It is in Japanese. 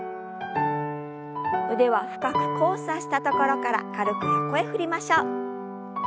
腕は深く交差したところから軽く横へ振りましょう。